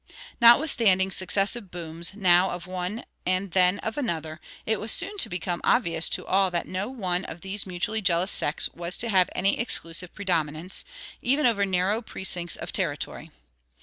Notwithstanding successive "booms" now of one and then of another, it was soon to become obvious to all that no one of these mutually jealous sects was to have any exclusive predominance, even over narrow precincts of territory.